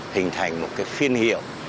hình thành một cái phiên hiệu